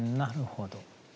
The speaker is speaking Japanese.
なるほど。